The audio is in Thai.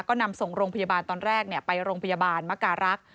ก็นำส่งโรงพยาบาลตอนแรกไปโรงพยาบาลมการรักษ์